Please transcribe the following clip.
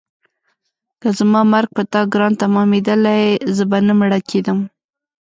که زما مرګ په تا ګران تمامېدلی زه به نه مړه کېدم.